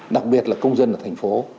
đặc biệt là công dân ở thành phố